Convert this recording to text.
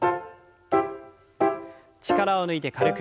力を抜いて軽く。